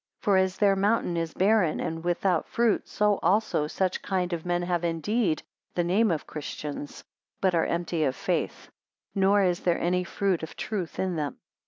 182 For as their mountain is barren and without fruit so also such kind of men have indeed the name of Christians, but are empty of faith; nor is there any fruit of the truth in them.